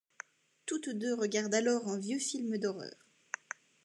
Toutes deux regardent alors un vieux film d'horreur.